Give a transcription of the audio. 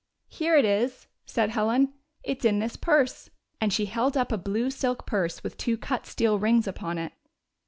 " Here it is," said Helen, "it 's in this purse "; and she held up a blue silk purse with two cut steel rings upon it.